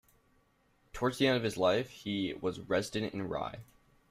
Towards the end of his life, he was resident in Rye.